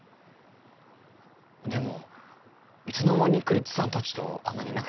でもいつの間に栗津さんたちとあんなに仲よくなったんですか？